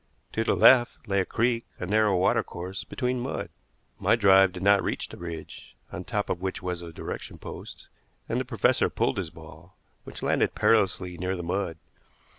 To the left lay a creek, a narrow water course between mud. My drive did not reach the ridge, on the top of which was a direction post; and the professor pulled his ball, which landed perilously near the mud.